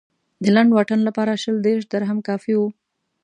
د لنډ واټن لپاره شل دېرش درهم کافي و.